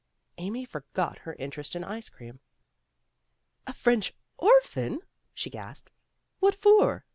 Amy forgot her interest in ice cream. "A French orphan," she gasped, "What for?"